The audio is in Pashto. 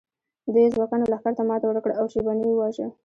دوی ازبکانو لښکر ته ماته ورکړه او شیباني یې وواژه.